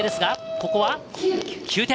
ここは９点。